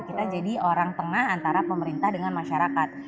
kita jadi orang tengah antara pemerintah dengan masyarakat